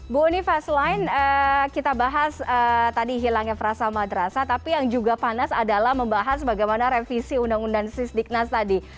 bu unifa selain kita bahas tadi hilangnya frasa madrasah tapi yang juga panas adalah membahas bagaimana revisi undang undang sisdiknas tadi